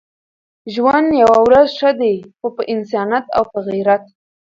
ژوند يوه ورځ ښه دی خو په انسانيت او په غيرت.